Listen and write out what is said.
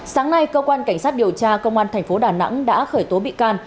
sáng nay cơ quan cảnh sát điều tra công an tp đà nẵng đã khởi tố bị can